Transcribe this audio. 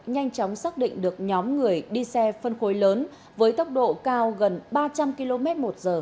nhanh chóng xác định được nhóm người đi xe phân khối lớn với tốc độ cao gần ba trăm linh km một giờ